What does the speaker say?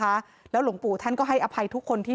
เพราะทนายอันนันชายเดชาบอกว่าจะเป็นการเอาคืนยังไง